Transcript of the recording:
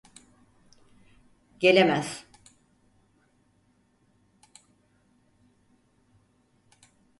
Gelemez.